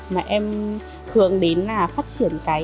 mà em hướng đến là phát triển cái